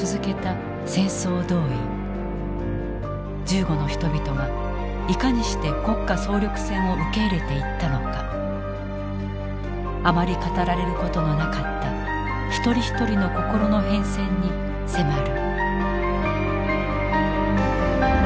銃後の人々がいかにして国家総力戦を受け入れていったのかあまり語られることのなかった一人一人の心の変遷に迫る。